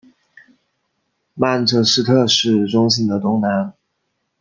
曼彻斯特市中心的东南。